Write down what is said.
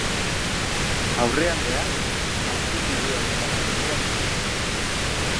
Aurrealdea azken bide honetara begira du.